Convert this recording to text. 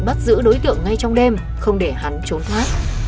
bắt giữ đối tượng ngay trong đêm không để hắn trốn thoát